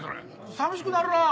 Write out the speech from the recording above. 寂しくなるなあ。